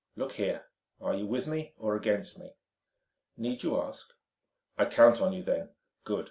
Look here; are you with me or against me?" "Need you ask?" "I count on you, then. Good.